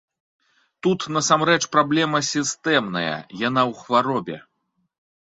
Тут насамрэч праблема сістэмная, яна ў хваробе.